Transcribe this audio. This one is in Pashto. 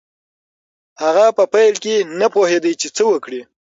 هغه په پیل کې نه پوهېده چې څه وکړي.